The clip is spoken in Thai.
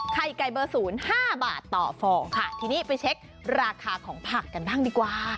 ไข่ไก่เบอร์๐๕บาทต่อฟองทีนี้ไปเช็คราคาของผักกันด้านดีกว่า